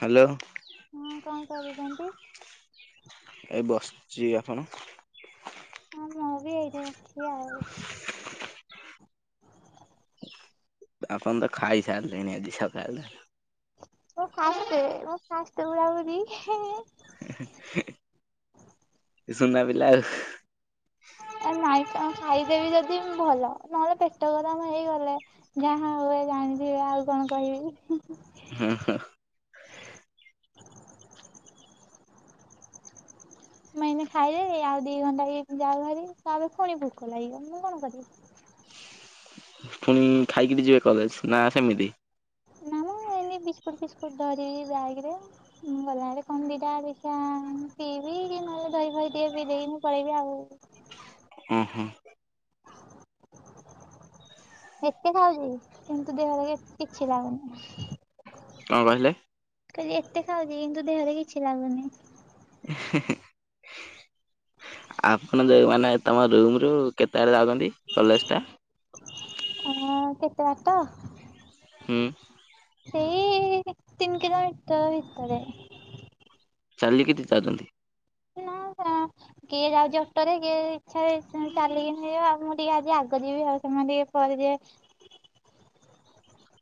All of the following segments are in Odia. ହାଲୋ। ହଁ କଣ କରୁଚନ୍ତି? ଏ ବସଚି। ଆପଣ? ହଁ ମୁଁ ବି ଏଇଠି ବସଛି ଆଉ। ଆପଣ ତ ଖାଇ ସାରିଲେଣି ଆଜି ସକାଳଟାରୁ। ମୁଁ ଫାଷ୍ଟେ ମୁଁ ଫାଷ୍ଟ ପୁରା ପୁରି ହେ ଇଏ ଏ ସୁୁନା ପିଲା ଆଉ। ଏ ନାଇଁ କଣ ଖାଇଦେବି ଜଦି ଭଲ, ନହେଲେ ପେଟ ଗରମ ହେଇଗଲେ ଯାହା ହୁଏ ଜାଣିଥିବ ଆଉ କଣ କହିବି। ହଁ, ହଁ। ମୁଁ ଏଇନେ ଖାଇଲେ ବି ଆଉ ଦିଘଣ୍ଟା ହେଇ ଯାଉ ଭାରି ତାପରେ ପଫୁଣି ଭୁକୋ ଲାଗିବ। ମୁଁ କଣ କରିବି। ଉଁ, ଖାଇକିରି ଯିବେ କଲେଜ୍ ନା ସେମିତି? ନା ମୁଁ ଏମି ବିସ୍କୁଟ ଫିସ୍କୁଟ ଧରିବି ବ୍ୟାଗ୍ ରେ। ମୁଁ ଗଲାବେଳେ କଣ ଦିଟା ଦେଖିବା ପିଇବି କି ନହେଲେ ଦହି ଫହି ଟିକେ ପିଇ ଦେଇିକିନି ପଳେଇବି ଆଉ। ଅଁ, ହଁ। [unintelligible] ଏତେ ଖାଉଛି କିନ୍ତୁ ଦେହରେ କି- କିଛି ଲାଗୁନି। କଣ କହିଲେ? କଉଚି ଏତେ ଖାଉଚି କିନ୍ତୁ ଦେହରେ କିଛି ଲାଗୁନି। ହୁଁ ହୁଁ ଆପଣ ଯୋଉ ମାନେ ତମ ରୁମ୍ ରୁ କେତେବାଟ ଜାଉଛନ୍ତି କଲେଜ୍‌ ଟା? ଆଁ କେତେ ବାଟ? ହୁଁ। ସେଇ ତିନି କିଲମିଟର ଭିତରେ। ଚାଲିକିରି ଜାଉଛନ୍ତି? ନା [unintelligible] କିଏ ଯାଉଚି ଅଟରେ, କିଏ ଇଚ୍ଛାରେ ଉଁ ଚାଲିକିନି ଯିବ ମୁଁ ଟିକେ ଆଜି ଆଗ ଯିବି ଆଉ ସେମାନେ ଟିକେ କରି ଦିଅ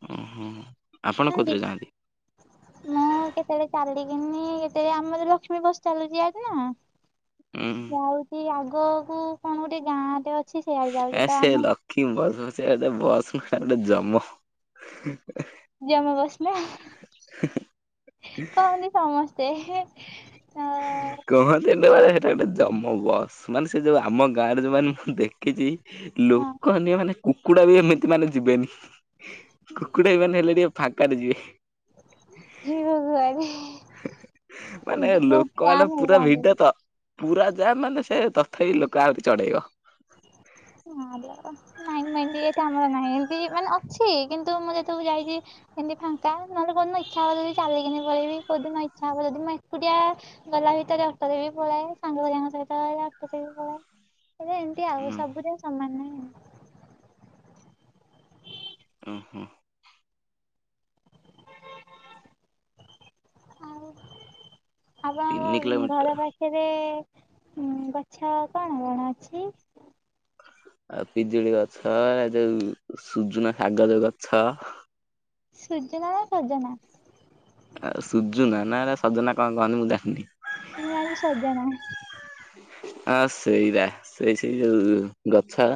ଉଁ ହୁଁ ଆପଣ ନାହାନ୍ତି କୋଉଥିରେ ଜାଆନ୍ତି? ମୁଁ କେତେବେଳେ ଚାଲିକିନି, କେତେବେଳେ ଆମର ଲକ୍ଷ୍ମୀ ବସ୍ ଚାଲୁଛି ୟାଡେନା ଉଁ ଯାଉଚି ଆଗକୁ କଣ ଗୋଟେ ଗାଁ ଟେ ଅ ଆ ସେ ଡ଼ କି ବସ୍ ବସେ ବସ୍ ମାନେ ଜମ। ଯିଏ ଆମ ବସ୍ ନା କହନି ସମସ୍ତେ କହନ୍ତିନା ମାନେ ହେଟା ଗୋଟେ ଜମ ବସ୍। ମାନେ ସେ ଯୋଉ ଆମ ଗାଁ ରେ ଯୋଉମାନେ ମୁଁ ଦେଖିଛି ହଁ ଲୋକ ଅନ୍ୟ ମାନେ କୁକୁଡ଼ା ବି ଏମିତି ମାନେ ଯିବେନି କୁକୁଡା ବି ମାନେ ହେଲେ ଟିକେ ଫାଙ୍କାରେ ଯିବେ। ଯିବ କୁଆଡେ ଭଗବାନ୍ ଜାମ୍ ପୁରା ହେଇଯାଆନ୍ତି। ଭିଡ ତ ପୁରା ଯା ମାନେ ସେ ତଥାପି ଲୋକ ଆହୁରି ଚଢେଇବ। ନାଇଁ ମାଇ ଏଟା ଆମର ନାଇଁତି ମାନେ ଅଛି କିନ୍ତୁ ମୁଁ ଯେତେବେଳେ ଯାଇକି। କଣ ଏମିତ୍ ଫାଙ୍କା ନହେଲେ କୋଉଦିନ ଇଚ୍ଛା ହବ ଯଦି ଚାଲିକି ପଳେଇି କଉଦିନ ଇଚ୍ଛା ହବ ଯଦି ଏକୁଟିଆ ଗଲା ଭିତରେ ଅଟାରେ ପଳାଏ ସାଙ୍ଗହେରିକାଶହ ଡକ୍ଟୋରେ ବି ପଳାଏ। ଟିଆ ଆଉ ଉଁ ସବୁ ଆ ଉଁ ହୁଁ ଆଉ ତିନି ଆପଣଙ୍କ କିଲୋମିଟର ଘର ପାଖରେ ଗଛ କଣ କଣ ଅଛି?? ଆଉ ପିଜୁଳି ଗଛ ଏ ଯୋଉ ସୁଜୁନା ଶାଗ ଯୋଉ ଗଛ। ସୁଜୁନା ନା ସଜନା? ଆଉ ସୁଜୁନା ନାରେ ସଜନା କଣ କହନ୍ତି ମୁଁ ଯାଣି ନି। ଇୟାଡେ ସଜନା। ଆ ସେଇରା ସେଇ ସେଇ ଯୋଉ ଗଛ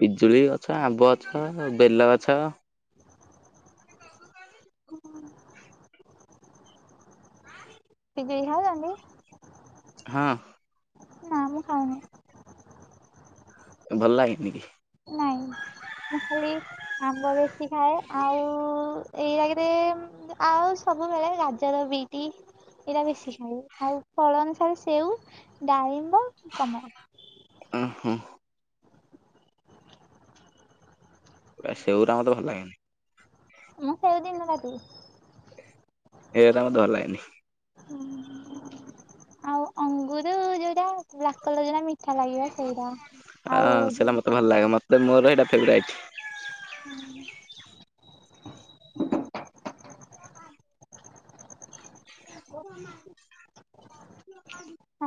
ପିଜୁଳି ଗଛ ଆମ୍ବ ଗଛ ବେଲ ଗଛ। ହୁଁ। [unintelligible] ହଁ। ନା ମୁଁ ଖାଉନି। ଭଲ ଲାଗେନି କି? ନାଇଁ। ମୁଁ ଖାଲି ଆମ୍ବ ବେଶୀ ଖାଏ ଆଉ ଏଇ ଆଗେରେ ଆଉ ସବୁବେଳେ ଗାଜର, ବିଟି ଏଇଟା ବେଶୀ ଖାଏ ଆଉ ଫଳ ଅନୁସାରେ ସେଉ ଡାଳିମ୍ବ କମଳା। ଉଁ ହୁଁ। ପୁରା ସେଉ ଟା ମତେ ଭଲ ଲାଗେନି। ମୁଁ ସେଇଦିନ କାଟିବି। ହେରା ମତେ ଭଲ ଲାଗେନି। ଆଉ ଅଙ୍ଗୁରୁ ଯୋଉଟା ବ୍ଲାକଲର ଯୋଉଟା ମି ଆ ଯୋଉ ସେଇଟା ମତେ ଭଲ ଲାଗେ ମତେ ମୋର ହେଇଟା ଫେବ୍ରାଇଟ୍। ହୁଁ।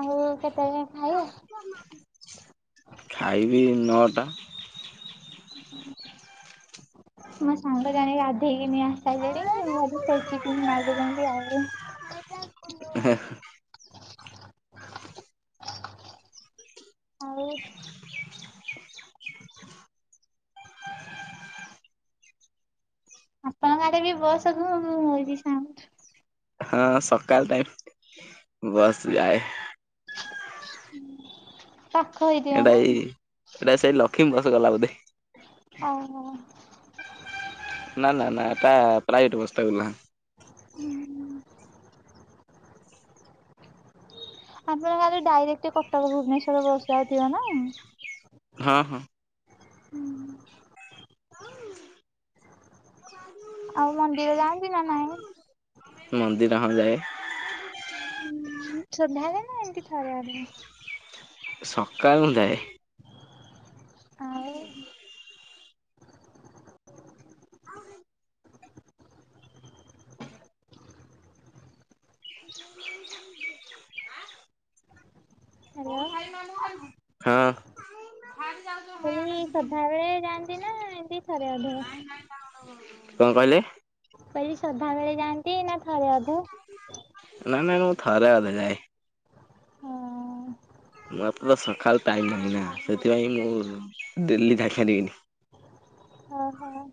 ଆଉ କେତେବେଳେ ଖାଇବା? [unintelligible] ଖାଇବି ନଅ ଟା। [unintelligible] ମୋ ସାଙ୍ଗ ରାଣୀ ଗାଧେଇକି ନିଆ ସାଇଲେଣି [unintelligible] ମାଗୁଚନ୍ତି ଆଉ [inaudible] ଆଉ ଆପଣଙ୍କ ଆଡେ ବି [unintelligible] ହଉଚି ସାଉଣ୍ଡ୍। ହଁ ସକାଳ ଟାଇମ୍ ବସ୍ ଯାଏ। [inaudible] [unintelligible] ଏଇଟା ଏଇ, ଏଇଟା ସେଇ ଲକ୍ଷ୍ମୀ ବସ୍ ଗଲା ବୋଧେ? [inaudible] ନା ନା ନା ଏଟା ପ୍ରାଇଭେଟ୍ ବସ ଟା ଗଲା। [inaudible] ଆପଣଙ୍କ ଆଡେ ଡାଇରେକ୍ଟ କଟକ ଭୁବନେଶ୍ଵର ବସ ଯାଉଥିବ ନା? ହଁ, ହଁ। [inaudible] [inaudible] ଆଉ ମନ୍ଦିର ଯାଆନ୍ତି ନା ନାଇଁ? ମନ୍ଦିରଁ ଯାଏ ହଁ ସଧ୍ୟାଲେ ନା? [unintelligible] ସକାଳୁ ଯାଏ। [inaudible] [inaudible] ହ୍ୟାଲୋ? [inaudible] ହଁ [inaudible] ହେ ସଧାବେଳେ ଯାଆନ୍ତି ନା, ଏମିତି ଥରେ ଅଧେ? କଣ କହିଲେ? କହିଲି, ସନ୍ଧ୍ୟାବେଳେ ଯାଆନ୍ତି? ନା ଥରେ ଅଧେ? ନାଇଁ, ନାଇଁ, ମୁଁ ଥରେ ଅଧେ ଯାଏ। [unintelligible] ମତେ ତ ସକାଳୁ ଟାଇମ୍ ନଥିଲା ନା, ସେଥିପାଇଁ ମୁଁ ଡେଲି ଯାଇପରିବିନି। ହଁ ହଁ।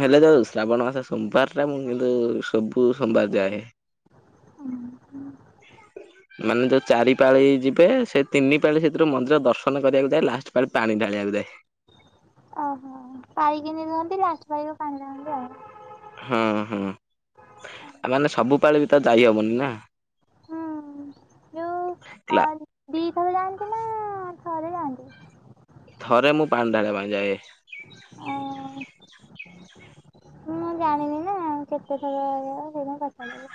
ହେଲେ ଯାଉ ଶ୍ରାବଣ ମାସ ସୋମବାରଟା, ମୁଁ କିନ୍ତୁ ସବୁ ସୋମାର ଯାଏ। [inaudible] [inaudible] ମାନେ ଯୋଉ ଚାରି ପାଳି ଯିବେ, ସେ ତିନି ପାଳି, ସେଥିରୁ ମନ୍ଦିର ଦର୍ଶନ କରିବାକୁ ଯାଏ, ଲାଷ୍ଟ ପାଳି ପାଣି ଢାଳିବାକୁ ଯାଏ। ଓହୋ [unintelligible] ଲାଷ୍ଟ ପାଳିରେ ପାଣି ଢାଳନ୍ତି ଆଉ। ହଁ ହଁ ମାନେ ସବୁପଳେ ବି ତ ଯାଇ ହବନି ନା। [inaudible] ଦିଥରେ ଯାଆନ୍ତି, ନା ଥରେ ଯାଆନ୍ତି? ଥରେ ମୁଁ ପାଣି ଢାଳିବା ପାଇଁ ଯାଏ। [inaudible] ମୁଁ ଜାଣିବି ନା କେତେ ଥର କଣ ସେଥିପାଇଁ ପଚାରିଲି।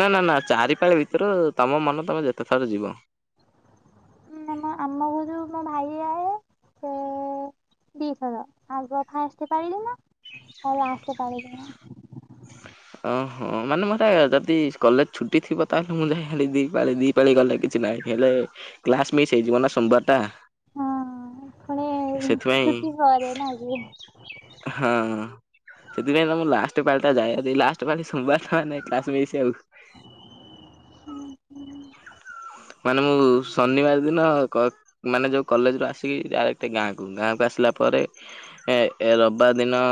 ନା, ନା, ନା ଚାରି ପାାଳି ଭିତରୁ, ତମ ମନ ତମେ ଯେତେ ଥର ଯିବ। [inaudible] [unintelligible] ଓହୋ ମାନେ ମୋର ଯଦି କଲେଜ ଛୁଟି ଥିବ ତାହେଲେ ମୁଁ [unintelligible] ପଲେଇ ଗଲେ କିଛି ନାହିଁ, ହେଲେ କ୍ଲାସ ମିସ୍ ହେଇଯିବ ନା ସୋମବାର ଟା। ହଁ ଖଳେ ସେଥିପାଇଁ ଛୁଟି ପରେ ନା କି। ହଁ ସେଥିପାଇଁ ନା ମୁଁ ଲାଷ୍ଟ ପାଳିଟା ଯାଏ, ଯଦି ଲାଷ୍ଟ ପାଳି ସୋମବାର ଥାଏ ନାହି କ୍ଲାସ ସ୍ପେସିଆଲ। ହ ମାନବ ବାବୁ ଶନିବାର ଦିନ କ ମାନେ ଯୋଉ କଲେଜ ରୁ ଆସିକି ଆଉ ଗୋଟେ ଗାଁକୁ ଗାଁକୁ ଆସିଲା ପରେ, ଏ ଏ ରବିବାର ଦିନ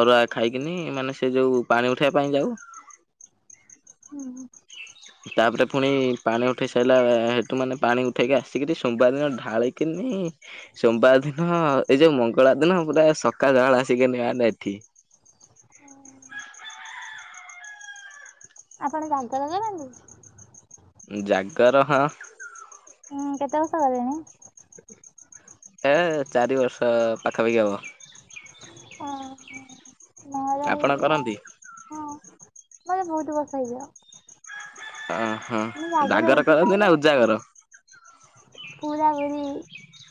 ଅରୁଆ ଖାଇକିନି ମାନେ ସେ ଯୋଉ ପାଣି ଉଠେଇବା ପାଇଁ ଯାଉ ହୁଁ ହୁଁ ତାପରେ ପୁଣି ପାଣି ଉଠେଇ ସାରିଲା ହେତୁ ମାନେ ପାଣି ଉଠେଇକା ଆସିକିରି ସୋମବାର ଦିନ ଢାଳି କିନି, ସୋମବାର ଦିନ ଏଇ ଯୋଉ ମଙ୍ଗଳବାର ଦିନ ପୁରା ସକାଳବେଳା ଆସିକି ନିଆନ ଏଠି ହୁଁ ଆପଣ ଗାତ ଲଗେଲାନି? ଜାଗର ହଁ। ହୁଁ କେତେ ବର୍ଷ ହେଲାଣି? ଏ ଚାରି ବର୍ଷ ପାଖାପାଖି ହବ। ଓ ହୋ, ଆପଣ କରନ୍ତି? ମୋର ବହୁତ ବର୍ଷ ହେଇଯିବ। ଓହୋ ମୁଁ ଜାଗର କରନ୍ତି ଏଇଥିପାଇଁ ନା ଉଜାଗର? ପୁରା ପୁରୀ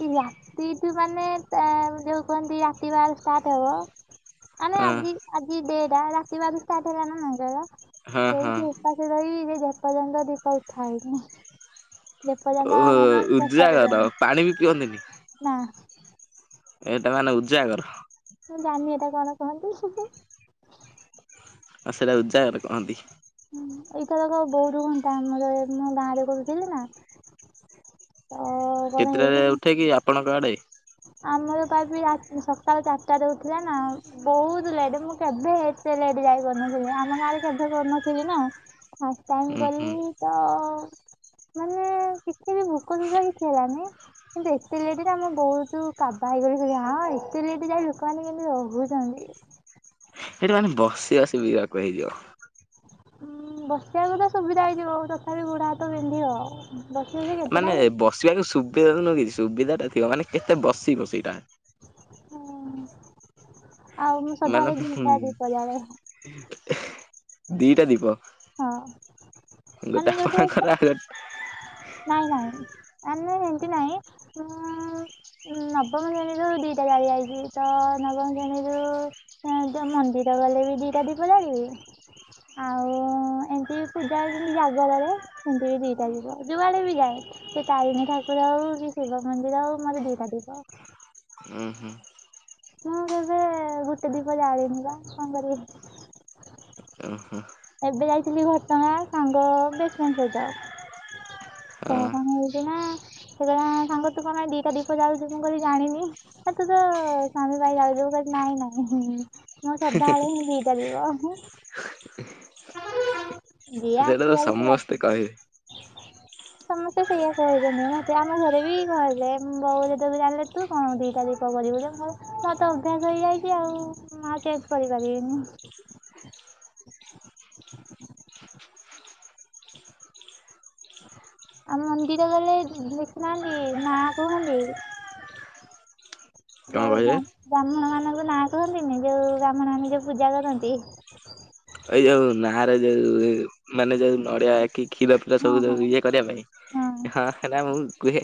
ଇଏ ରାତିଠୁ ମାନେ ତାର ଯୋଉ କୁହନ୍ତି ରାତି ବା ଷ୍ଟାର୍ଟ ହବ। ଆମେ ହଁ ଆଜି ଆଜି ଦିଟା ରାତିି ବାରୁ ଷ୍ଟାର୍ଟ ହେବନା ନାଇଁ ହେବା ହଁ ହଁ। ସେଇଠି। ପାଖରେ ରହି ଯେ ଯେତେପର୍ଯନ୍ତ ଦୀପ ଉଠାଏ ନାହି ଯେପର୍ଯନ୍ତ ମାନେ ପ୍ରସାଦ ଜାଗର ଯାଇନି ପାଣି ବି ପିଅନ୍ତିନି? ନା। ଏଇଟା ମାନେ ଉଜାଗର। ମୁଁ ଜାଣିନି ଏଟା କଣ କହନ୍ତି? ଆଉ ସେଟା ଉଜାଗାର କହନ୍ତି। ହୁଁ ଏଇଟା ଯାକ [inaudible] ଟାଇମ ରେ ମୁ ଗାଁ ରେ କରୁଥିଲି ନା। ତ କଣ କେତେଟାରେ ହେଇଛି ନା, ଉଠେ କି ଆପଣଙ୍କ ଆଡେ? ଆମର ତ ଆଜି ଆ ସକାଳ ଚାରିଟାରେ ଉଠିଲା ନା ଆଉ। ବହୁତ ଲେଟ୍ ମୁଁ କେବେ ଏତେ ଲେଟ୍ ଯାଇ ପାରିନଥିଲି ଆମ ଗାଁରେ କେବେ କରିନଥିଲି ନା। ଫାଷ୍ଟ ଟାଇମ ଉୁଁ ହୁଁ କଲି ତ ମାନେ ହେଲେ ଟିକେ ବି ଭୋକ ଯ ଯୋଉ ହୁଏ କୁହନି କିନ୍ତୁ ଏତେ ଲେଟରେ ଆମେ ବହୁତ ଏଥୁରୁ କାବା ହେଇଗଲୁ କି ଯେ ହାଁ ଏତେ ଲଟେ ଯାଏ ଲୋକମାନେ କେମିତି ରହୁଛନ୍ତି। ସେଇଠି ମାନେ ବସି ଅସୁବିଧାକୁ ହେଇଯିବ। ଉଁ ବସିବାକୁ ତ ସୁବିଧା ହେଇଯିବ ତଥାପି ଗଡ ହାତ ବିନ୍ଧି ହେବ। ମାନେ ବସିବାକୁ ସୁବିଧା ତ ନୁହକି, ସୁବିଧା ଟା ଥିବ ମାନେ କେତେ ବସିବ ସେଇଟା। ହଁ ଆଉ ମୁଁ ମାନେ ସଦାବେଳେ ହୁଁ ଦିଟା ଦୀପ ଜାଳେ। ଦିଟା ଦୀପ ହଁ ମାନେ ଗୋଟେ ଯୋଉଠି ଆପଣଙ୍କର, ଆଉ ଗ ନାଇଁ ନାଇଁ ମାନେ ଏମିତି ନାଇଁଁ। ମୁଁ ଉମ ନବମ ଶ୍ରେଣୀରୁ ଦିଟା ଜାଳି ଆଇଛି, ତ ନବମ ଶ୍ରେଣୀରୁ ୟେ ଯୋଉ ମନ୍ଦିର ଗଲେ ବି ଦିଟା ଦୀପ ଜାଳିବି। ଆଉ ଏମିତି ପୂଜା ହେଉଛି ଜାଗବର ସେମିତି ବି ଦିଟା ଦୀପ। ଯୁଆଡେ ବି ଯାଏ ସେ ତାରିଣୀ ଠାକୁର ହଉ କି ଶିବ ମନ୍ଦିର ହଉ ମୋରେ ଦିଟା ଦୀପ। ହୁଁ ହୁ। ମୁଁ କେବେ ଗୋଟେ ଦୀପ ଜାଳିିନି ବା ସମବାର ରୁ। ଓହୋ। ଏବେ ଯାଇଥିଲି ଘଟଗାଁ ସାଙ୍ଗ ବେଷ୍ଟଫ୍ରେଣ୍ଡ ସହିତ। ତ ହଁ କଣ ହେଇଛି ନା ସିଏ କହିଲ ସାଙ୍ଗ ତୁ କଣ ପାଇଁ ଦିଟା ଦୀପ ଯାଳୁଛୁ ମୁଁ କହିଲି ଜାଣିନି। ଆ ତୁ ତୋ ସ୍ୱାମୀ ପାଇଁ ଯାଳୁଛୁ ମୁଁ କହିଲି ନାଇଁ ନାଇଁ। ମୁଁ ସଧାବେଳେ ହି ଦିଟା ଦ୍ଵୀପ। [inaudible] ଯିଏ ସେଇଟା ଯେତେବେଳେ ଆସିବାରୁ ସେ ଆସୁ ସମସ୍ତେ କହିବେ। ସମସ୍ତେ ସେଇଆ କହୁଛନ୍ତି ମତେ ଆମ ଘରେ ବି କହିଲେ ବଉ ଯେତେବେଳେ ଜାଣିଲେ ତୁ। ହଁ ଦିଇଟା ଦିଇଟା କରିବୁ ଯେ ମୁଁ ମୋର ତ ଅଭ୍ୟାସ ହେଇଯାଇଛି ଆଉ ମୁଁ ଆଉ ଚେଞ୍ଚ କରିପାରିବିନି। ଆଉ ମନ୍ଦିର ଗଲେ ଦେଖୁନାହାନ୍ତି ନାଁ କୁହନ୍ତି। କଣ ଯୋଉ କହିବେ? ବ୍ରାହ୍ମଣ ମାନଙ୍କୁ ନାଁ କହନ୍ତିନି ଯୋଉ ବ୍ରାହ୍ମଣ ମାନେ ଯୋଉ ପୂଜା କରନ୍ତି। ଏଇ ଯଉ ନାହାର ଯଉ ମାନେ ଯୋଉ ନଡ଼ିଆ କି ଖିର ଫିର ହଁ ସବୁୁ ହଁ ଇଏ କରିବା ପାଇଁ ହଁ ହେରା ମୁଁ କୁହେ।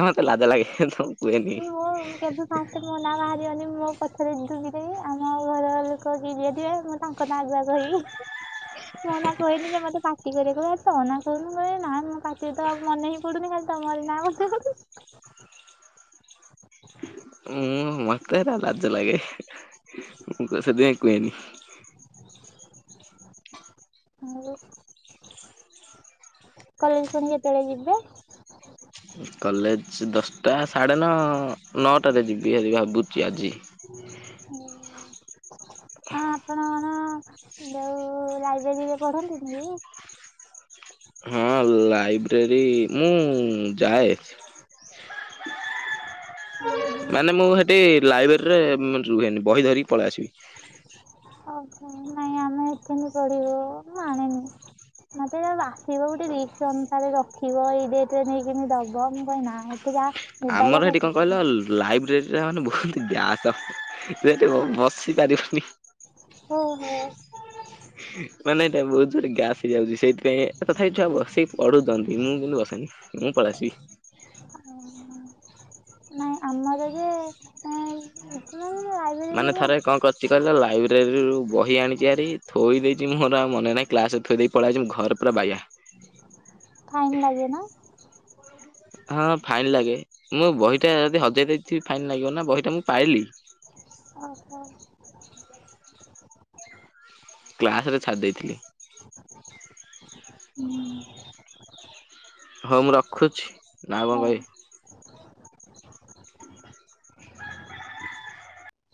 ହଁ ମତେ ଲାଜ ଲାଗେ ତ ମୁଁ କୁଏନି। ମୁଁ କେବେ ଫାଷ୍ଟ ମୋ ନାଁ ବାହାରିବନି ମୋ ପଛରେ ଡୁଙ୍ଗି ଦେବି ଆମ ଘର ଲୋକ କି ଯିଏ ଥିବେ ମୁଁ ତାଙ୍କ ନାଁ ଯାହା କହିବି। ମୁଁ ନା କୁହେନି ଯେ ମୋତେ ପାଟି କରିବେ କହିବେ ତୋ ନା କହୁନୁ ହେ ନା ମୋ ପାଟିରେ ତ ମନେହିଁ ପଡୁନି ଖାଲି ତମରି ନା [inaudible] ମତେ ହେରା ଲାଜ ଲାଗେ ମୁଁ ସେଥିପାଇଁ କୁହେନି। ମୁଁ କଲେଜ ପୁଣି କେତେବେଳେ ଯିବେ? କଲେଜ ଦଶଟା ସାଢ଼େ ନଅ ନଅଟାରେ ଯିବି ହାରି ଭାବୁଛି ଆଜି। ଅ ଆପଣ କଣ ଯୋଉ ଲାଇବ୍ରେରୀରେ ପଢ଼ନ୍ତିନି କି? ହଁ ଲାଇବ୍ରେରୀ ମୁଁ ଯାଏ। [inaudible] ମାନେ ମୁଁ ହେଟି ଲାଇବ୍ରେରୀରେ ରୁହେନି ବହି ଧରିକି ପଳେଇ ଆସିବି। ଓହ ନାଇଁ ଆମେ ହେଠି କିନ୍ତୁ ପଢ଼ିବ ମୁଁ ଆଣେନି ମତେ ଆସିବ ଗୋଟେ ରିକ୍ସ ଅନୁସାରେ ରଖିବ ଏଇ ଡେଟରେ ନେଇକିନି ଦବ ମୁଁ କହେ ନା ଏତେ ଯା ଆମର ହେଟି କଣ କହିଲ ଲ ଲାଇବ୍ରେରୀ ରେ ମାନେ ବହୁତ୍ ଗ୍ୟାସ ହେଠି ବସି ପାରିବନି। ଓ ହୋ। ମାନେ ଏଇଟା ବହୁତ ଜୋରରେ ଗ୍ୟାସ୍ ହେଇଯାଉଛି ସେଇଥିପାଇଁ ତଥାପି ଛୁଆ ବସିକି ପଢୁଛନ୍ତି ମୁଁ କିନ୍ତୁ ବସେନି। ମୁଁ ପଳେଆସିବି। ଓହ ନାଇଁ ଆମର ଯେ ଏ ମାନେ ଥରେ କଣ କରଚି [unintelligible] ଲାଇବ୍ରେରୀରୁ ବହି ଆଣିଛି ହାରି ଥୋଇ ଦେଇଚି ମୋର ଆଉ ମନେ ନାହିଁ କ୍ଲାସରେ ଥୋଇ ଦେଇକି ପଳେ ଆଇଚି ମୁଁ ଘର ପୁରା ବାଇଆ। ଫାଇନ ଲାଗେ ନା। ହଁ ଫାଇନ୍ ଲାଗେ ମୁଁ ବହିଟା ଯଦି ହଜେଇ ଦେଇଥିବି ଫାଇନ୍ ଲାଗିବ ନା ବହିଟା ମୁଁ ପାଇଲି। ଓହୋ କ୍ଲାସ ରେ ଛାଡ଼ି ଦେଇଥିଲି। ହୁଁ। ହଉ ମୁଁ ରଖୁଛି ନା ଆଉ କଣ ହଉ। କହିବେ?